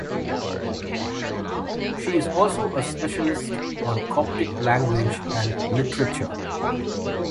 She is also a specialist on Coptic language and literature.